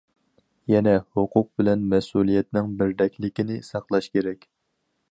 يەنە ھوقۇق بىلەن مەسئۇلىيەتنىڭ بىردەكلىكىنى ساقلاش كېرەك.